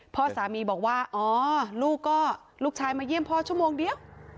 พ่อสามีบอกว่าอ๋อลูกก็ลูกชายมาเยี่ยมพ่อชั่วโมงเดียว